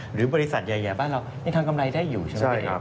หรือบริษัทใหญ่บ้านเรายังทำกำไรได้อยู่ใช่ไหม